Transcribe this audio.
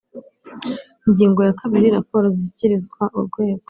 Ingingo ya kabiri Raporo zishyikirizwa Urwego